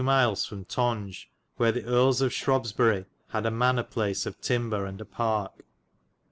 miles from Tonge, where the erles of Shrobbesbyre had a manar place of tymbar and a parke.